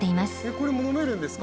これ飲めるんですか？